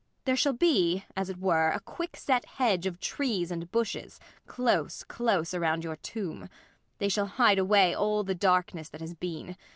There shall be, as it were, a quickset hedge of trees and bushes, close, close around your tomb. They shall hide away all the darkness that has been.